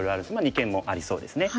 二間もありそうですね。